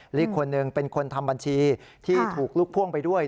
อีกคนนึงเป็นคนทำบัญชีที่ถูกลุกพ่วงไปด้วย